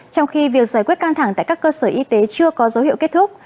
trong khi việc giải quyết căng thẳng tại các cơ sở y tế chưa có dấu hiệu kết thúc